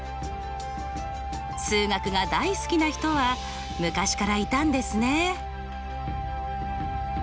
数学が大好きな人は昔からいたんですね。